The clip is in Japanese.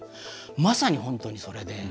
まさに本当にそれで。